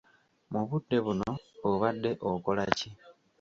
Mu budde buno obadde okola ki?